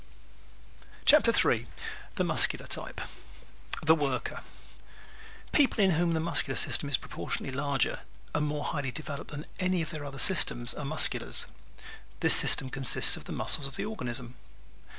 _ CHAPTER III The Muscular Type "The Worker" People in whom the muscular system is proportionately larger and more highly developed than any of their other systems are Musculars. This system consists of the muscles of the organism.